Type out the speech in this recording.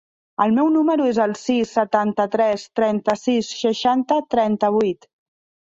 El meu número es el sis, setanta-tres, trenta-sis, seixanta, trenta-vuit.